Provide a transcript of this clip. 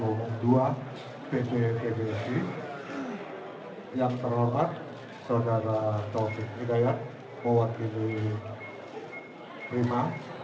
yang terlalu banyak saudara taufik hidayat mohon diri